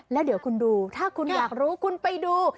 แล้วเดี๋ยวคุณดูถ้าคุณอยากรู้คุณไปดู